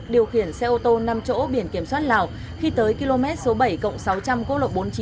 điều khiển xe ô tô năm chỗ biển kiểm soát lào khi tới km số bảy cộng sáu trăm linh cố lộ bốn mươi chín